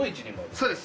そうです。